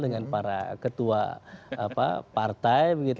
dengan para ketua partai